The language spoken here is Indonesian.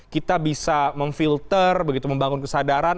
kita bisa memfilter begitu membangun kesadaran